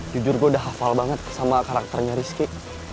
jujur gue udah hafal banget sama karakternya rizky